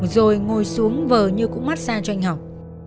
rồi ngồi xuống vờ như cũng mát xa cho anh học